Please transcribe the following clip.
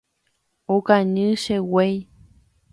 Okañy che guéi.